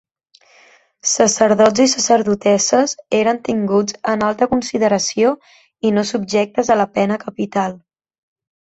Sacerdots i sacerdotesses eren tinguts en alta consideració i no subjectes a la pena capital.